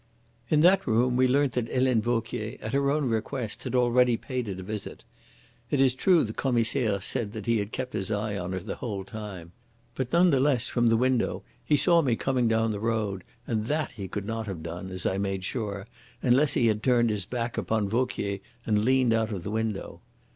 "In that room we learnt that Helene Vauquier, at her own request, had already paid it a visit. It is true the Commissaire said that he had kept his eye on her the whole time. But none the less from the window he saw me coming down the road, and that he could not have done, as I made sure, unless he had turned his back upon Vauquier and leaned out of the window.